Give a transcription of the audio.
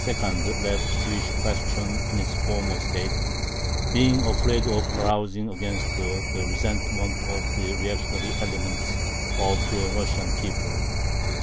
left the Jewish question in its former state, being afraid of arousing against her the resentment of the reactionary element of the Russian people.